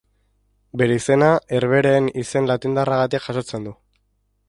Bere izena Herbehereen izen latindarragatik jasotzen du.